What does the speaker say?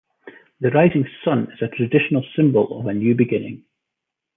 The rising sun is a traditional symbol of a new beginning.